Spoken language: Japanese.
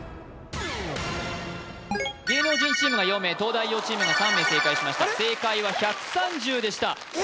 芸能人チームが４名東大王チームが３名正解しました正解は１３０でしたあれ？